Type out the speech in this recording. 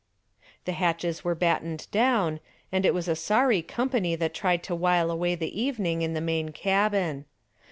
The hatches were battened down, and it was a sorry company that tried to while away the evening in the main cabin.